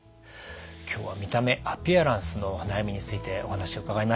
今日は「見た目『アピアランス』の悩み」についてお話を伺いました。